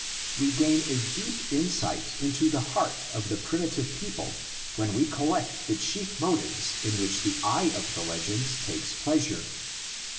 We gain a deep insight into the heart of the primitive people when we collect the chief motives in which the eye of the legends takes pleasure.